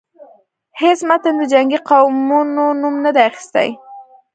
هیڅ متن د جنګی قومونو نوم نه دی اخیستی.